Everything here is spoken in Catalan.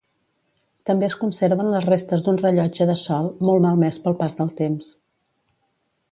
També es conserven les restes d’un rellotge de sol, molt malmès pel pas del temps.